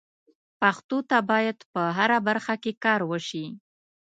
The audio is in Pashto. پښتو ته باید په هره برخه کې کار وشي.